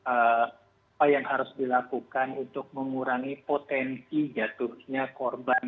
apa yang harus dilakukan untuk mengurangi potensi jatuhnya korban